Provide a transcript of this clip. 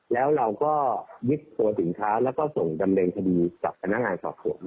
แล้วเราก็ยึดตัวสินค้าแล้วก็ส่งดำเนินคดีกับพนักงานสอบสวน